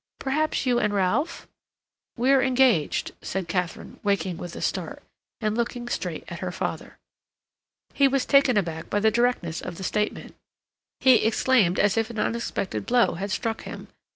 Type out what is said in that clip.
Perhaps you and Ralph—" "We're engaged," said Katharine, waking with a start, and looking straight at her father. He was taken aback by the directness of the statement; he exclaimed as if an unexpected blow had struck him.